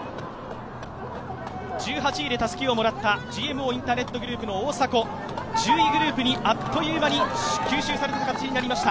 １８位でたすきをもらったＧＭＯインターネットグループの大迫、１０位グループにあっという間に吸収される形になりました。